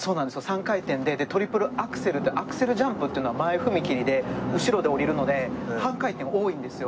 ３回転でトリプルアクセルアクセルジャンプというのは前踏み切りで後ろで下りるので半回転多いんですよ。